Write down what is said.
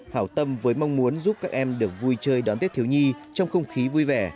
hảo tâm với mong muốn giúp các em được vui chơi đón tết thiếu nhi trong không khí vui vẻ